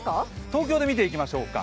東京で見ていきましょうか。